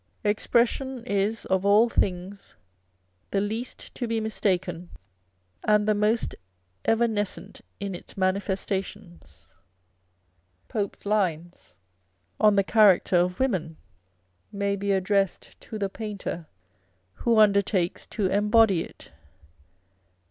Expression is of all things the least to be mistaken, and the most evanescent in its manifestations. Pope's lines on the character of women may be addressed to the painter who undertakes to embody it.